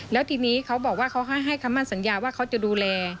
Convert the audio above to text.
แล้วทีนี้เขาบอกว่าเขาให้คำมั่นสัญญาว่าเขาจะดูแล